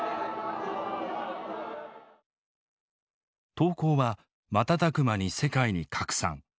投稿は瞬く間に世界に拡散。